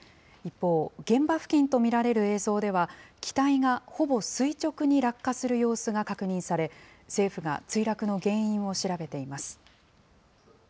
一方、現場付近と見られる映像では、機体がほぼ垂直に落下する様子が確認され、政府が墜落の原因を調べています。